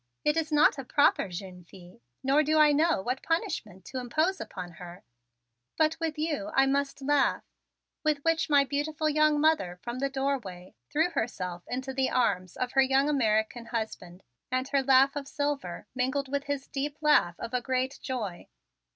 It is not a proper jeune fille, nor do I know what punishment to impose upon her; but with you I must laugh," with which my beautiful mother from the doorway threw herself into the arms of her young American husband and her laughter of silver mingled with his deep laugh of a great joy.